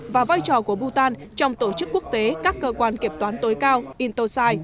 và vai trò của bhutan trong tổ chức quốc tế các cơ quan kiểm toán tối cao intosai